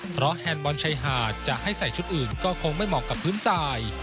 เพราะแฮนด์บอลชายหาดจะให้ใส่ชุดอื่นก็คงไม่เหมาะกับพื้นทราย